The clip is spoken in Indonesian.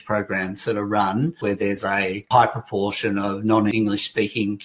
program yang juga mendukung orang orang